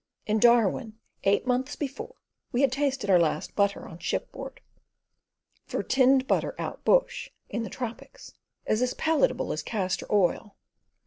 In Darwin, eight months before we had tasted our last butter on ship board, for tinned butter, out bush, in the tropics, is as palatable as castor oil.